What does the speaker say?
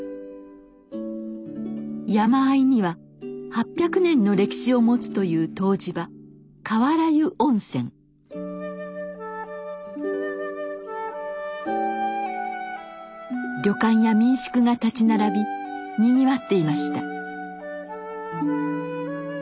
山あいには８００年の歴史を持つという湯治場旅館や民宿が立ち並びにぎわっていました。